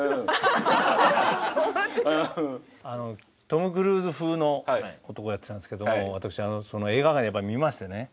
トム・クルーズ風の男をやってたんですけど私映画館でやっぱり見ましてね。